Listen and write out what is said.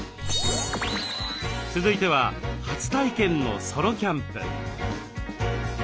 続いては初体験のソロキャンプ。